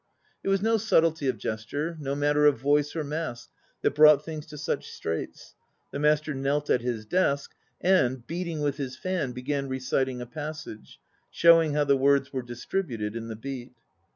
It was no subtlety of gesture, no matter of voice or mask, that brought things to such straits. The master knelt at his desk, and, beating with his fan, began reciting a passage, showing how the words were distributed in the beat.